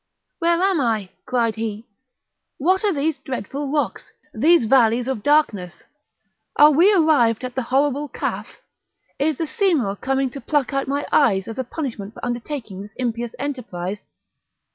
"Where am I?" cried he; "what are these dreadful rocks? these valleys of darkness? are we arrived at the horrible Kaf? is the Simurgh coming to pluck out my eyes, as a punishment for undertaking this impious enterprise!"